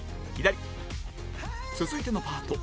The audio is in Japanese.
続いてのパート